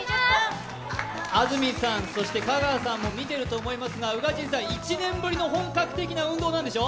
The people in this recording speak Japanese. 安住さん、香川さんも見ていると思いますが宇賀神さん、１年ぶりの本格的な運動なんでしょう？